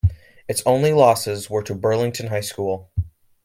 Its only losses were to Burlington High School.